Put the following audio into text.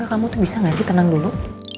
gak kamu tuh bisa gak sih tenang dulu